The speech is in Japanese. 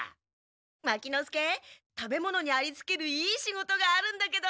牧之介食べ物にありつけるいい仕事があるんだけど。